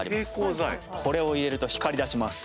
これを入れると光りだします。